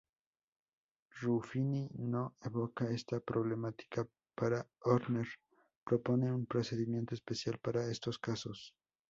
Ruffini no evoca esta problemática, pero Horner propone un procedimiento especial para estos casos.